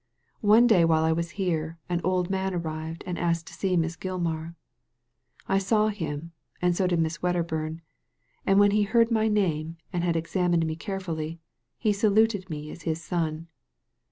One day while I was here, an old man arrived and asked to see Miss Gilmar. I saw him, and so did Miss Wedderbum ; and when he heard my name, and had examined me carefully, he saluted me as his son.